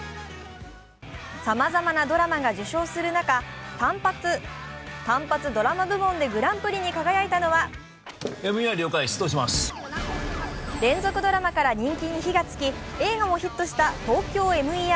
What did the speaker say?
さまざまなドラマが受賞する中、単発ドラマ部門でグランプリに輝いたのは連続ドラマから人気に火がつき映画もヒットした「ＴＯＫＹＯＭＥＲ」。